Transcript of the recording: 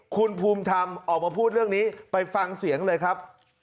คุณภูมิธรรมออกมาพูดเรื่องนี้ไปฟังเสียงเลยครับ